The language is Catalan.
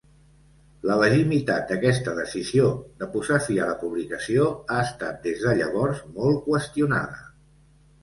La legitimitat d'aquesta decisió de posar fi a la publicació ha estat des de llavors molt qüestionada.